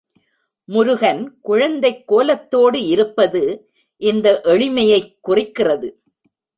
முருகன் குழந்தைக் கோலத்தோடு இருப்பது இந்த எளிமையைக் குறிக்கிறது.